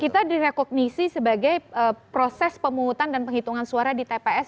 kita direkognisi sebagai proses pemungutan dan penghitungan suara di tps